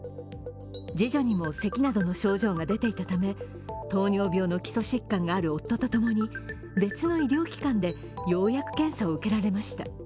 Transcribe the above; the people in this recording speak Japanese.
次女にもせきなどの症状が出ていたため糖尿病の基礎疾患がある夫と共に別の医療機関でようやく検査を受けられました。